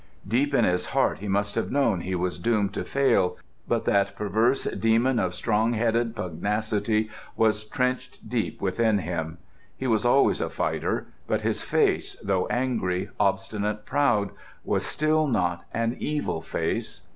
Deep in his heart he must have known he was doomed to fail, but that perverse demon of strong headed pugnacity was trenched deep within him. He was always a fighter, but his face, though angry, obstinate, proud, was still not an evil face.